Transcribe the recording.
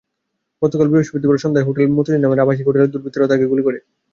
গতকাল বৃহস্পতিবার সন্ধ্যায় হোটেল মতিঝিল নামের আবাসিক হোটেলে দুর্বৃত্তরা তাঁকে গুলি করে।